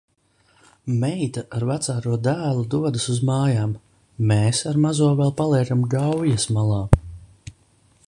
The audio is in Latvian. Meita ar vecāko dēlu dodas uz mājām. Mēs ar mazo vēl paliekam Gaujas malā.